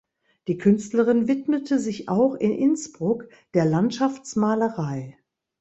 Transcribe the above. Die Künstlerin widmete sich auch in Innsbruck der Landschaftsmalerei.